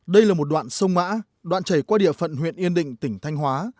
đây là một đoạn sông mã đoạn chảy qua địa phận huyện yên định tỉnh thanh hóa